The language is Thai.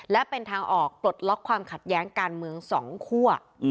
และเป็นทางออกปลดล็อกความขัดแย้งการเมือง๒คั่ว